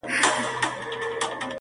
زه او ته به څنگه ښکار په شراکت کړو!.